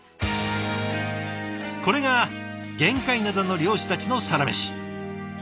これが玄界灘の漁師たちのサラメシ。